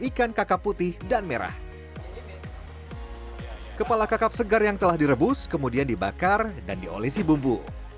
ikan kakap putih dan merah kepala kakap segar yang telah direbus kemudian dibakar dan diolesi bumbu